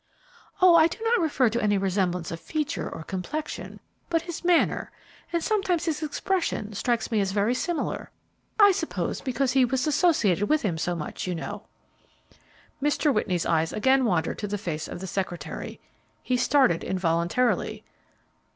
"Oh, I did not refer to any resemblance of feature or complexion, but his manner, and sometimes his expression, strikes me as very similar. I suppose because he was associated with him so much, you know." Mr. Whitney's eyes again wandered to the face of the secretary. He started involuntarily.